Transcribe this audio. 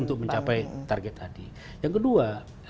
untuk mencapai target tadi yang kedua